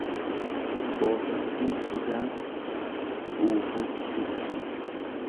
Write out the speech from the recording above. Boosettiin udaan dhuufuutti fixxi.